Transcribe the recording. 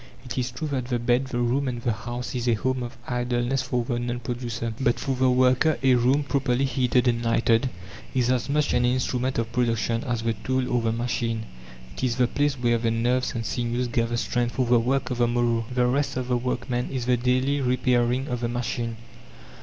It is true that the bed, the room, and the house is a home of idleness for the non producer. But for the worker, a room, properly heated and lighted, is as much an instrument of production as the tool or the machine. It is the place where the nerves and sinews gather strength for the work of the morrow. The rest of the workman is the daily repairing of the machine.